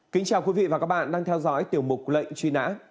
kính chào quý vị và các bạn đang theo dõi tiểu mục lệnh truy nã